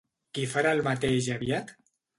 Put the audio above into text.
Qui farà el mateix aviat?